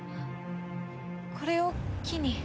これを機に。